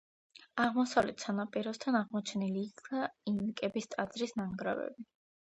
აღმოსავლეთ სანაპიროსთან, აღმოჩენილი იქნა ინკების ტაძრის ნანგრევები.